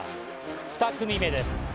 ２組目です。